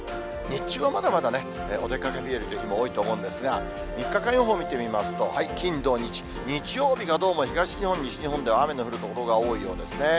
日中はまだまだね、お出かけ日和という日も多いと思うんですが、３日間予報見てみますと、金、土、日、日曜日がどうも、東日本、西日本では雨の降る所が多いようですね。